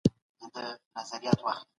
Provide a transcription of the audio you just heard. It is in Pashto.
او چي سېل سي